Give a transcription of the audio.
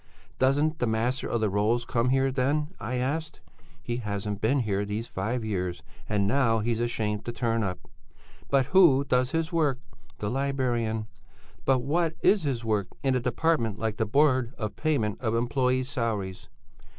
"'Doesn't the Master of the Rolls come here, then?' I asked. "'He hasn't been here these five years, and now he's ashamed to turn up.' "'But who does his work?' "'The librarian.' "'But what is his work in a department like the Board of Payment of Employés' Salaries?'